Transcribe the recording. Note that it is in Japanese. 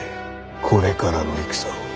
これからの戦を。